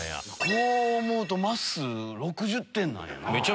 こう思うとまっすー６０点なんやな。